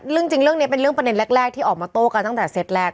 จริงเรื่องนี้เป็นเรื่องประเด็นแรกที่ออกมาโต้กันตั้งแต่เซตแรก